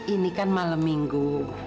ini kan malam minggu